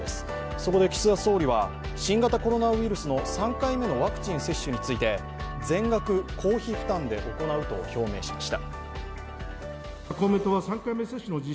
そこで岸田総理は新型コロナウイルスの３回目のワクチン接種について全額公費負担で行うと表明しました。